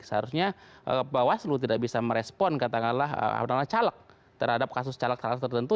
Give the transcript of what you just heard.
seharusnya bawaslu tidak bisa merespon katakanlah calon calon terhadap kasus calon calon tertentu